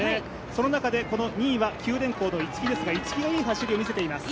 その中で２位は九電工の逸木ですがいい走りを見せています。